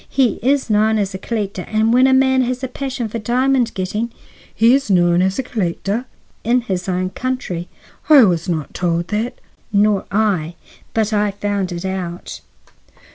He is known as a collector, and when a man has a passion for diamond getting—" "He is known as a collector?" "In his own country." "I was not told that." "Nor I. But I found it out."